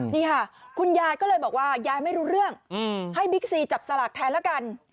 นี่ค่ะคุณยายก็เลยบอกว่ายายไม่รู้เรื่องให้บิ๊กซีจับสลากแทนแล้วกัน